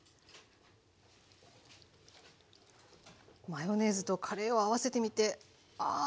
マヨネーズとカレーを合わせてみてああ